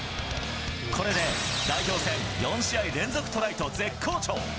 これで代表戦４試合連続トライと絶好調。